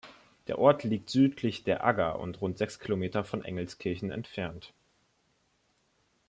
Der Ort liegt südlich der Agger und rund sechs Kilometer von Engelskirchen entfernt.